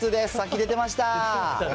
出てました。